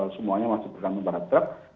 semuanya masih berganggu pada truk